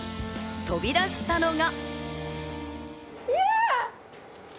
飛び出したのが。